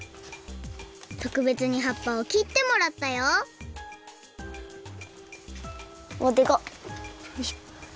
とくべつにはっぱをきってもらったよでかっ！